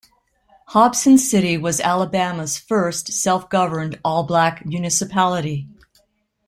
Hobson City was Alabama's first self-governed all-black municipality.